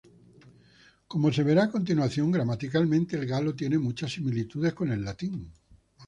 Como se verá a continuación, gramaticalmente el galo tiene muchas similitudes con el latín.